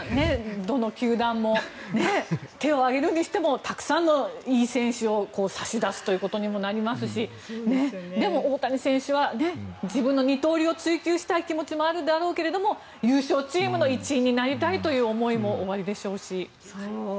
どの球団も手を挙げるにしてもたくさんのいい選手を差し出すことにもなりますしでも大谷選手は自分の二刀流を追求したい気持ちもあるだろうけども優勝チームの一員になりたいという思いもおありでしょうし。